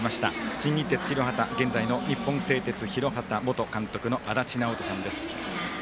新日鉄広畑現在の日本製鉄広畑の元監督の足達尚人さんです。